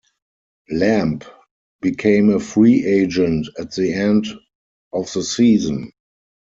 Lamb became a free agent at the end of the season.